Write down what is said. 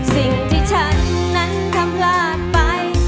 สิ่งที่ฉันนั้นทำพลาดไป